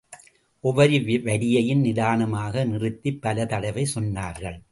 ஒவ்வொரு வரியையும் நிதானமாக நிறுத்திப் பல தடவை சொன்னார்கள்.